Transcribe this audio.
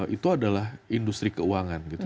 itu adalah industri keuangan gitu